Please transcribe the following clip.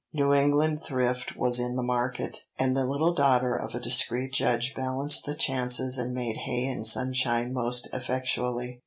New England thrift was in the market, and the little daughter of a discreet judge balanced the chances and made hay in sunshine most effectually.